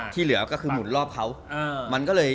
ที่เหลือก็คือหมุนรอบเขา